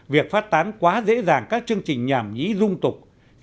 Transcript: việc phát tán quá dễ dàng các chương trình nhảm nhí dung tục